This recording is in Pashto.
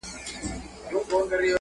روهیلۍ د روهستان مي څه ښه برېښي,